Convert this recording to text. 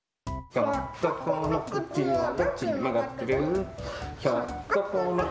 「ひょっとこのくちはどっちにまがってる？」